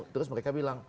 terus mereka bilang